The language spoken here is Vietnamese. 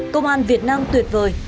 công an việt nam tuyệt vời